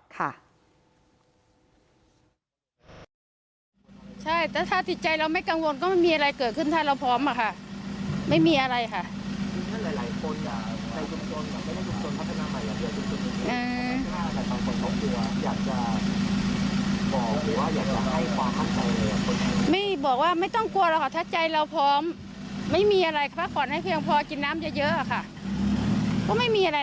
ป้าไปมาก็ไม่มีอะไรอ่ะค่ะปกติทั้งลูกทั้งเนี่ยทั้งสามคนไม่มีอะไร